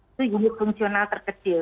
itu unit fungsional terkecil